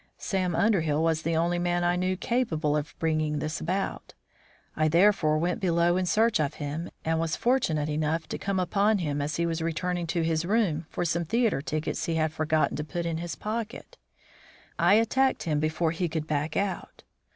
Sam Underhill was the only man I knew capable of bringing this about. I therefore went below in search of him, and was fortunate enough to come upon him just as he was returning to his room for some theatre tickets he had forgotten to put into his pocket. I attacked him before he could back out.